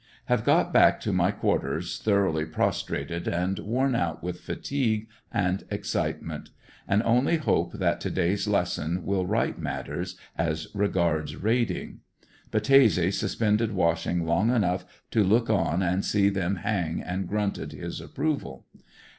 Have got back to my quar ters thoroughly prostrated and worn out with fatigue and excite ment, and only hope that to day's lesson will right matters as re gards raiding. Battese suspended washing long enough to look on and see them hang and grunted his approval.